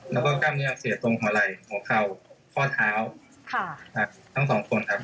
แล้วก็กล้ามเนื้อเสียตรงหัวไหล่หัวเข่าข้อเท้าทั้งสองคนครับ